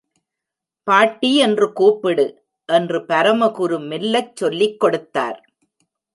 பாட்டி என்று கூப்பிடு! என்று பரமகுரு மெல்லச் சொல்லிக் கொடுத்தார்.